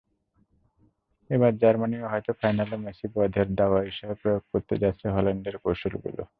এবার জার্মানিও হয়তো ফাইনালে মেসি-বধের দাওয়াই হিসেবে প্রয়োগ করতে যাচ্ছে হল্যান্ডের কৌশলগুলো।